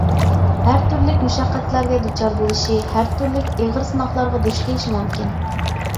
ھەر تۈرلۈك مۇشەققەتلەرگە دۇچار بولۇشى، ھەر تۈرلۈك ئېغىر سىناقلارغا دۇچ كېلىشى مۇمكىن.